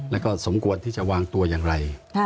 แล้วก็สมควรที่จะวางตัวอย่างไร